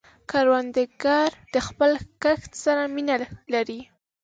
کروندګر د خپل کښت سره مینه لري